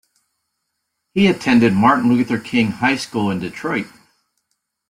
He attended Martin Luther King High School in Detroit.